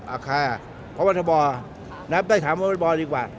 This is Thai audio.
อ่าค่ะครับพระวัฒนบ่อนะครับได้ถามพระวัฒนบ่อดีกว่า